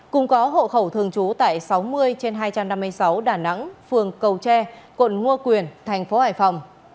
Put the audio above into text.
cùng có hộ khẩu thường trú tại sáu mươi trên hai trăm năm mươi sáu đà nẵng phường cầu tre quận ngo quyền thành phố hải phòng